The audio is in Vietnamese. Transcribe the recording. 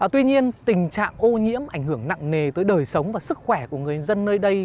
tuy nhiên tình trạng ô nhiễm ảnh hưởng nặng nề tới đời sống và sức khỏe của người dân nơi đây